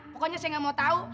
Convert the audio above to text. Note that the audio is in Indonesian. pokoknya saya nggak mau tahu